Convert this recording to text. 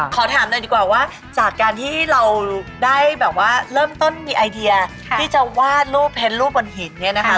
ขอถามหน่อยดีกว่าว่าจากการที่เราได้แบบว่าเริ่มต้นมีไอเดียที่จะวาดรูปเห็นรูปบนหินเนี่ยนะคะ